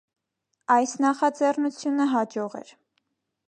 Այս նախաձեռնությունը հաջող էր։